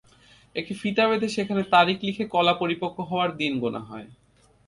একটি ফিতা বেঁধে সেখানে তারিখ লিখে কলা পরিপক্ব হওয়ার দিন গোনা হয়।